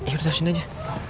taruh sini aja